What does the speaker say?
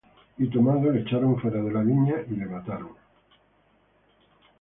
Y tomado, le echaron fuera de la viña, y le mataron.